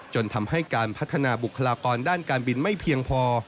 จนทำให้การพัฒนาบุคลากรด้านการบินไม่เพียงพอ